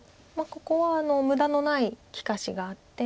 ここは無駄のない利かしがあって。